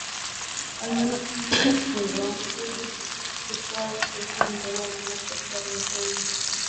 Wanyama wenye maambukizi hutoa uteute wa mdomo na macho kuwa mekundu